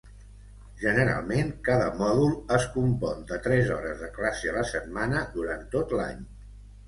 Generalment, cada mòdul es compon de tres hores de classe a la setmana durant tot l'any.